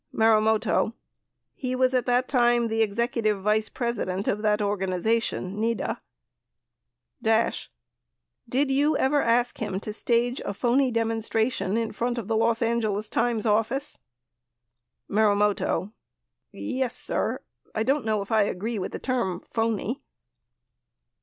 Marumoto. He was at that time the executive vice presi dent of that organization [NED A]. Dash. Did you ever ask him to stage a phony demonstration in front of the Los Angeles Times office? Marumoto. Yes, sir. I don't know if I agree with the term "phony."